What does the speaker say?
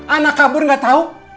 anak kabur gak tau